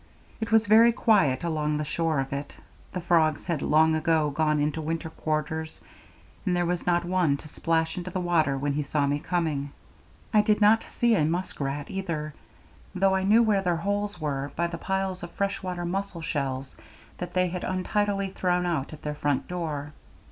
It was very quiet along the shore of it; the frogs had long ago gone into winter quarters, and there was not one to splash into the water when he saw me coming. I did not see a musk rat either, though I knew where their holes were by the piles of fresh water mussel shells that they had untidily thrown out at their front door.